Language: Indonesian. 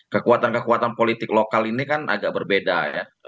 kekuatan kekuatan politik lokal ini kan agak berbeda ya